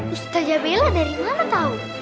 ustazah bella dari mana tau